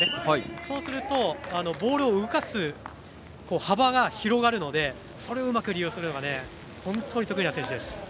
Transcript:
そうするとボールを動かす幅が広がるのでそれをうまく利用するのが本当に得意な選手です。